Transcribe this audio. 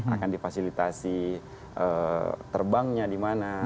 akan difasilitasi terbangnya dimana